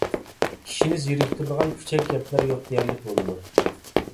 كىشىنى زېرىكتۈرىدىغان پۈچەك گەپلەر يوق دېيەرلىك بولىدۇ.